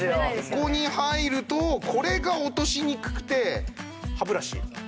ここに入るとこれが落としにくくて。